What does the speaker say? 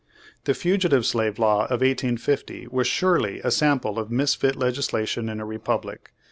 The Fugitive Slave Law of 1850 was surely a sample of misfit legislation in a republic.